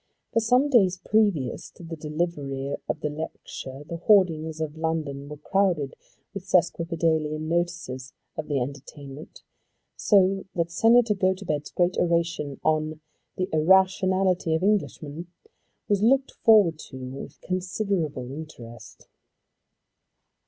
For some days previous to the delivery of the lecture the hoardings in London were crowded with sesquipedalian notices of the entertainment, so that Senator Gotobed's great oration on "The Irrationality of Englishmen" was looked to with considerable interest.